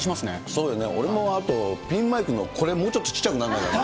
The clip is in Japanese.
そうだよね、俺もあと、ピンマイクのこれ、もうちょっとちっちゃくなんないかな？